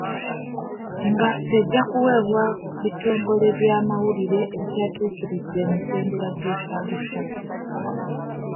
Engassi ejja kuweebwa ebitongole by'amawulire ebitaatuukirize mitendera gyetaagisa.